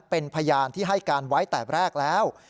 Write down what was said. เป็นพยานที่ให้การไว้แต่แรกแล้ว